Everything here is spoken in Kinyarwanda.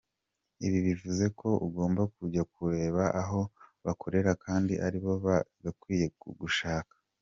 Ibi bivuze ko ugomba kujya kubareba aho bakorera kandi ari bo bagakwiye kugushaka.